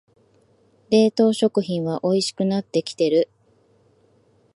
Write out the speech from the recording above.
冷凍食品はおいしくなってきてる